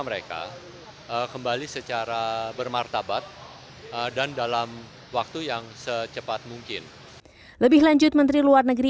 mereka kembali secara bermartabat dan dalam waktu yang secepat mungkin lebih lanjut menteri luar negeri